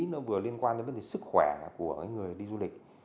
nó vừa liên quan đến vấn đề sức khỏe của người đi du lịch